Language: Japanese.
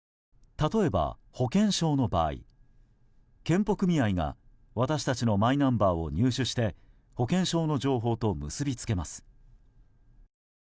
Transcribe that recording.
例えば、保険証の場合健保組合が私たちのマイナンバーを入手して保険証の情報と結びつけます。